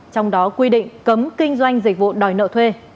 trong đó quy định cấm kinh doanh dịch vụ đòi nợ thuê